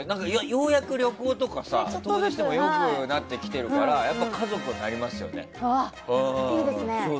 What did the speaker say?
ようやく旅行とかさ遠出してもよくなってきてるから家族になりますよね。